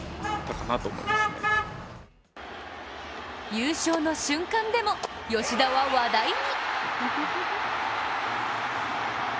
優勝の瞬間でも吉田は話題に。